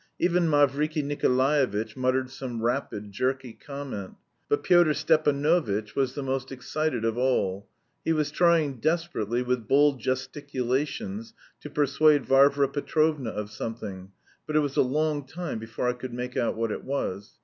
Even Mavriky Nikolaevitch muttered some rapid, jerky comment. But Pyotr Stepanovitch was the most excited of all. He was trying desperately with bold gesticulations to persuade Varvara Petrovna of something, but it was a long time before I could make out what it was.